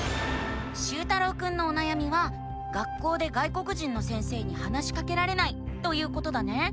しゅうたろうくんのおなやみは「学校で外国人の先生に話しかけられない」ということだね。